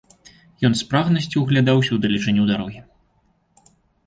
Ён з прагнасцю ўглядаўся ў далечыню дарогі.